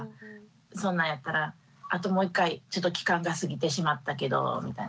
そんなんやったらあともう１回ちょっと期間が過ぎてしまったけどみたいな